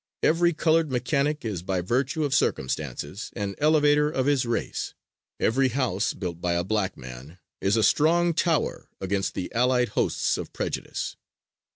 Every colored mechanic is by virtue of circumstances an elevator of his race. Every house built by a black man is a strong tower against the allied hosts of prejudice.